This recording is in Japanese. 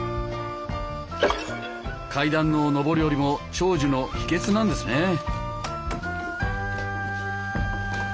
階段の上り下りも長寿の秘訣なんですね。